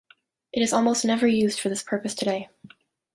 It is almost never used for this purpose today.